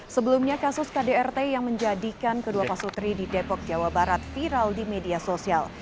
sebelumnya kasus kdrt yang menjadikan kedua pasutri di depok jawa barat viral di media sosial